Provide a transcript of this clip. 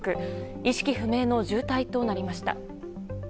意識不明の重体となりました。